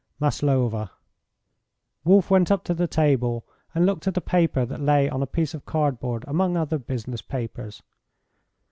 "Maslova." Wolf went up to the table and looked at a paper that lay on a piece of cardboard among other business papers.